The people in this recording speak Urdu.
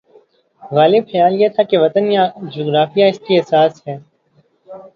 غالب خیال یہ تھا کہ وطن یا جغرافیہ اس کی اساس ہے۔